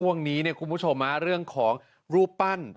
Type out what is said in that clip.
ว่างนี้คุณผู้ชมเรื่องของรูปปั้น